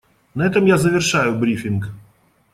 На этом я завершаю брифинг.